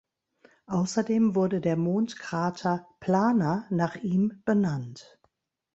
Außerdem wurde der Mondkrater Plana nach ihm benannt.